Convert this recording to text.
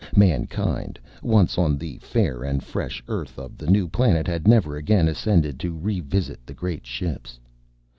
Mankind, once on the fair and fresh earth of the new planet, had never again ascended to re visit the great ships.